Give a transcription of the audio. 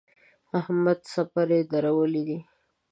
احمد څپری درولی دی.